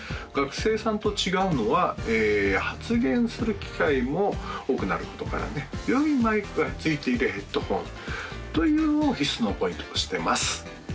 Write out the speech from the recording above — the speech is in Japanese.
学生さんと違うのは発言する機会も多くなることからねよいマイクがついているヘッドホンというのを必須のポイントとしてます